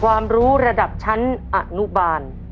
ความรู้ระดับชั้นอนุบาล